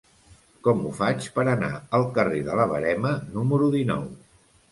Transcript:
Com ho faig per anar al carrer de la Verema número dinou?